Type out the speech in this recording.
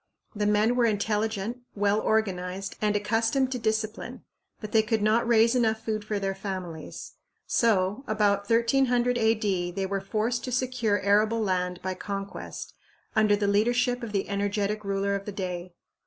The men were intelligent, well organized, and accustomed to discipline, but they could not raise enough food for their families; so, about 1300 A.D., they were forced to secure arable land by conquest, under the leadership of the energetic ruler of the day.